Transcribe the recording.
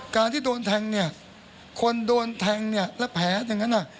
การที่โดนแทงคนโดนแทงและแผลอย่างนั้น